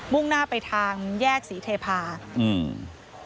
่งหน้าไปทางแยกศรีเทพาอืม